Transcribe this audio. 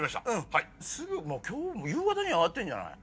はいすぐ今日もう夕方には終わってんじゃない？